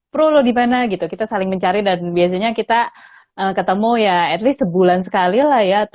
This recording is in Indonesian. pro lo dimana gitu kita saling mencari dan biasanya kita ketemu ya at least sebulan sekali lah ya